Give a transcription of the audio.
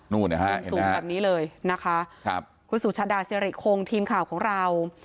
นะฮะสูงแบบนี้เลยนะคะครับคุณสุชาดาสิริคงทีมข่าวของเรา